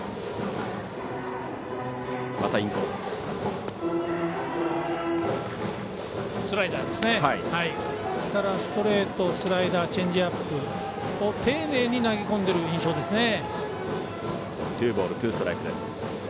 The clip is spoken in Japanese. ストレートスライダー、チェンジアップを丁寧に投げ込んでいる印象ですね。